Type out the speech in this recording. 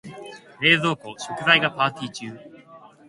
冷蔵庫、食材がパーティ中。